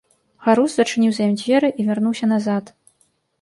Гарус зачыніў за ім дзверы і вярнуўся назад.